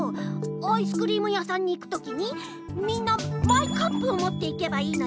アイスクリームやさんに行くときにみんなマイカップをもっていけばいいのよ。